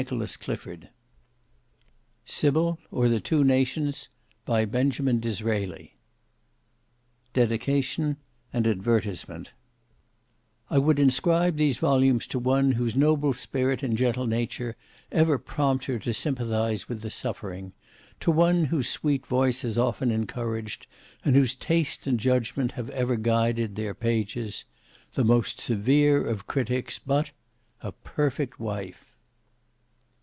Johnson, and David Widger SYBIL, or THE TWO NATIONS By Benjamin Disraeli I would inscribe these volumes to one whose noble spirit and gentle nature ever prompt her to sympathise with the suffering; to one whose sweet voice has often encouraged, and whose taste and judgment have ever guided, their pages; the most severe of critics, but—a perfect Wife!